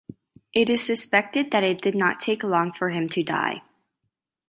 It is suspected that it did not take long for him to die.